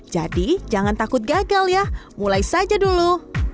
jadi jangan takut gagal ya mulai saja dulu